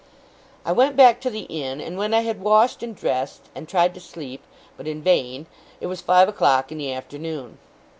I went back to the inn; and when I had washed and dressed, and tried to sleep, but in vain, it was five o'clock in the afternoon.